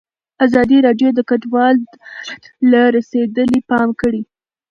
ازادي راډیو د کډوال حالت ته رسېدلي پام کړی.